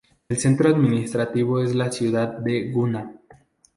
El centro administrativo es la ciudad de Guna.